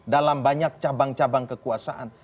dalam banyak cabang cabang kekuasaan